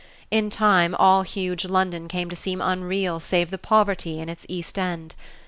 In time all huge London came to seem unreal save the poverty in its East End.